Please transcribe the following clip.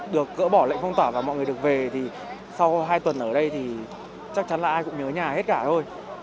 được gỡ bỏ lệnh phong tỏa và mọi người được về thì sau hai tuần ở đây thì chắc chắn là ai cũng nhớ nhà hết cả thôi